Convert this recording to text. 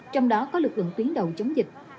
trong đó có lực lượng tuyến đầu chống dịch